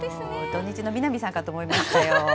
土日の南さんかと思いましたよ。